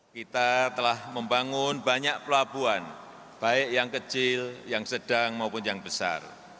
kita telah membangun banyak pelabuhan baik yang kecil yang sedang maupun yang besar